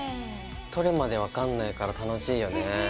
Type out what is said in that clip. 取るまで分かんないから楽しいよね。